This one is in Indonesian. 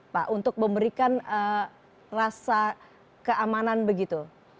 pak untuk memberikan rasa keamanan begitu